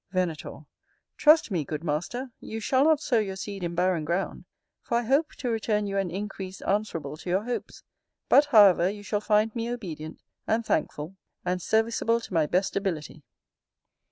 Venator. Trust me, good master, you shall not sow your seed in barren ground; for I hope to return you an increase answerable to your hopes: but, however, you shall find me obedient, and thankful, and serviceable to my best ability.